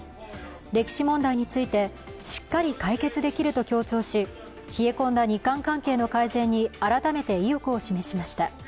歴史問題について、しっかり解決できると強調し冷え込んだ日韓関係の改善に改めて意欲を示しました。